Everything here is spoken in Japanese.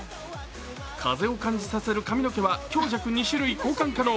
風を感じさせる髪の毛は強弱２種類交換可能。